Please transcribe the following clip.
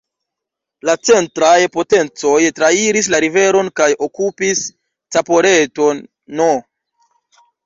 La centraj potencoj trairis la riveron kaj okupis Caporetto-n.